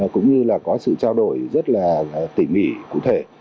cũng như là có sự trao đổi rất là tỉ mỉ cụ thể